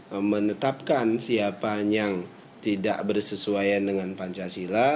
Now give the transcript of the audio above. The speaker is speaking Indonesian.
yang menetapkan siapa yang tidak bersesuaian dengan pancasila